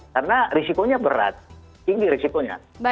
karena risikonya berat tinggi risikonya